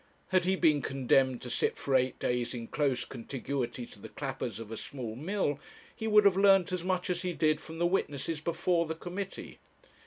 Had he been condemned to sit for eight days in close contiguity to the clappers of a small mill, he would have learnt as much as he did from the witnesses before the committee.